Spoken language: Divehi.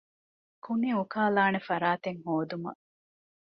ކުނި އުކާލާނެ ފަރާތެއް ހޯދުމަށް